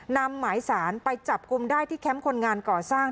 นำหมายสารไปจับกลุ่มได้ที่แคมป์คนงานก่อสร้าง